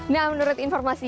nah menurut informasinya